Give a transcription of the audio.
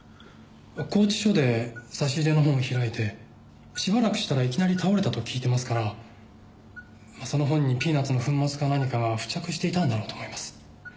拘置所で差し入れの本を開いてしばらくしたらいきなり倒れたと聞いてますからその本にピーナツの粉末か何かが付着していたんだろうと思います。